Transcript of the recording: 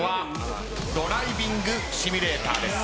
２番にドライビングシミュレーターです。